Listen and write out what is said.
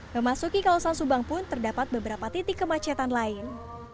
memasuki kawasan subang pun terdapat beberapa titik kemacetan lain